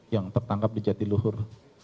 yang tertangkap di jatiluhur